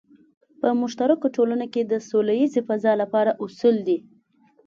په مشترکو ټولنو کې د سوله ییزې فضا لپاره اصول دی.